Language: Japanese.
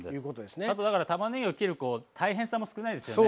あとたまねぎを切る大変さも少ないですよね。